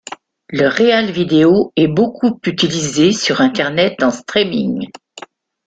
Le RealVideo est beaucoup utilisé sur Internet en streaming.